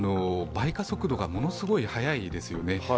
倍加速度がものすごい早いですよね。